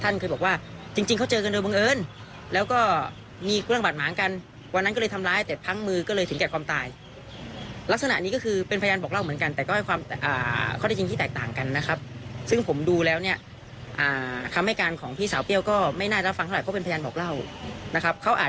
นี่ค่ะธนายอมรพงษ์ซึ่งเป็นธนายความของเปรี้ยวกับเอิญเขาก็บอกว่า